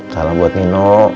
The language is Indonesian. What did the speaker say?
salam buat nino